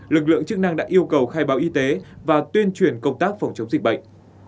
lực lượng chức năng đã yêu cầu khai báo y tế và tuyên truyền công tác phòng chống dịch bệnh